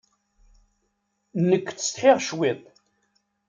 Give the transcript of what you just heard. Nekk ttsetḥiɣ cwiṭ.